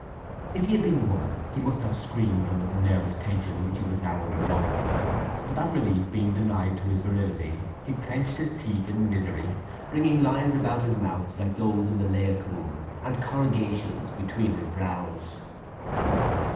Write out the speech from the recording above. If he had been a woman he must have screamed under the nervous tension which he was now undergoing. But that relief being denied to his virility, he clenched his teeth in misery, bringing lines about his mouth like those in the Laocoön, and corrugations between his brows.